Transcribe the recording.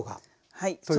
はい。